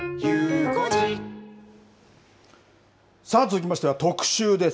さあ、続きましては特集です。